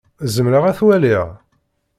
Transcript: Zemreɣ ad t-waliɣ?